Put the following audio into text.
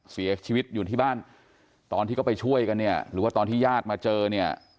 เสียชีวิตอยู่ที่บ้านตอนที่เขาไปช่วยกันเนี่ยหรือว่าตอนที่ญาติมาเจอเนี่ย